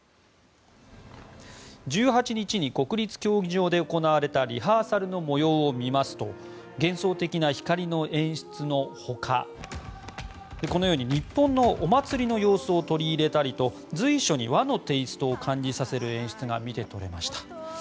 １８日、国立競技場で行われたリハーサルの様子を見ると幻想的な光の演出の他日本のお祭りの様子を取り入れたりと随所に和のテイストを感じさせる演出が見て取れました。